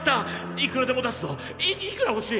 いくらでも出すぞいくらほしい！？